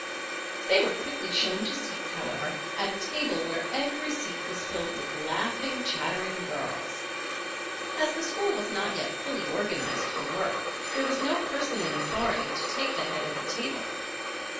They were quickly shown to seats, however, at a table where every seat was filled with laughing, chattering girls. As the school was not yet fully organized for work, there was no person in authority to take the head of the table.